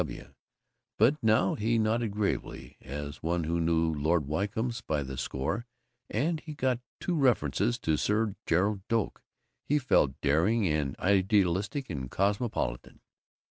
W. W., but now he nodded gravely, as one who knew Lord Wycombes by the score, and he got in two references to Sir Gerald Doak. He felt daring and idealistic and cosmopolitan.